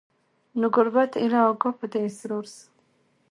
نو ګوربت ایله آګاه په دې اسرار سو